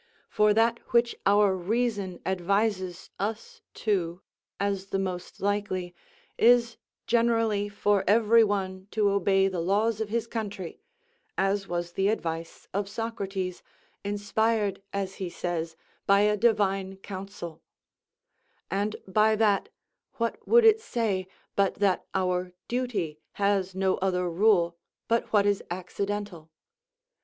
For that which our reason advises us to, as the most likely, is generally for every one to obey the laws of his country, as was the advice of Socrates, inspired, as he says, by a divine counsel; and by that, what would it say, but that our duty has no other rule but what is accidental?